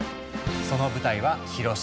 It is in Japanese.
その舞台は広島。